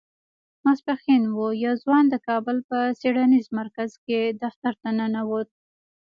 ماسپښين و يو ځوان د کابل په څېړنيز مرکز کې دفتر ته ننوت.